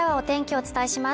お伝えします